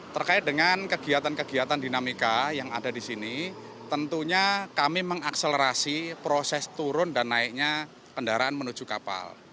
terkait dengan kegiatan kegiatan dinamika yang ada di sini tentunya kami mengakselerasi proses turun dan naiknya kendaraan menuju kapal